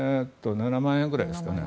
７万円ぐらいですかね。